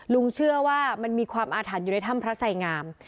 ลุงเชื่อว่ามันมีความอาถรรพ์อยู่ในถ้ำพระไสงาม